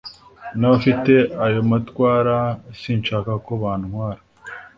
N'abafite ayo matwara sinshaka ko bantwara